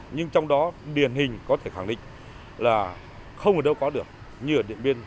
nhưng trong đó điển hình có thể khẳng định là không ở đâu có được như ở điện biên